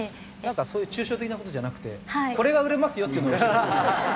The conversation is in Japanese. そういう抽象的な事じゃなくてこれが売れますよっていうのを教えてほしい。